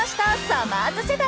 さまぁず世代］